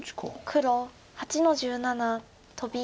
黒８の十七トビ。